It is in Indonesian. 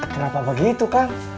kenapa begitu kang